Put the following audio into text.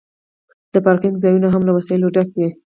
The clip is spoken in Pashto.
د پارکینګ ځایونه هم له وسایلو ډک وي